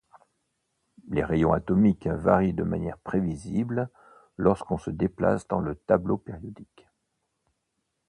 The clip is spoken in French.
Les rayons atomiques varient de manière prévisible lorsqu'on se déplace dans le tableau périodique.